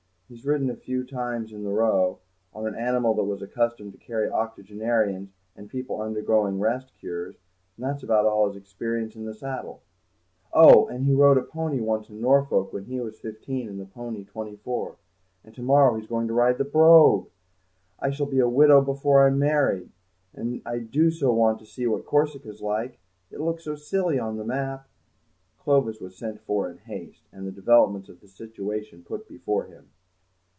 He's ridden a few times in the Row, on an animal that was accustomed to carry octogenarians and people undergoing rest cures, and that's about all his experience in the saddle—oh, and he rode a pony once in Norfolk, when he was fifteen and the pony twenty four; and to morrow he's going to ride the Brogue! I shall be a widow before I'm married, and I do so want to see what Corsica's like; it looks so silly on the map." Clovis was sent for in haste, and the developments of the situation put before him.